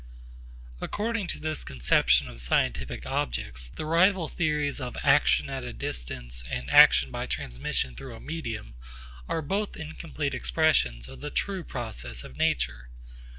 According to this conception of scientific objects, the rival theories of action at a distance and action by transmission through a medium are both incomplete expressions of the true process of nature.